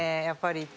やっぱり。